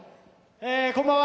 こんばんは！